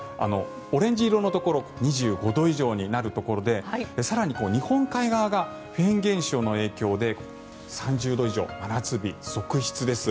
オレンジ色のところ２５度以上になるところで更に日本海側がフェーン現象の影響で３０度以上、真夏日続出です。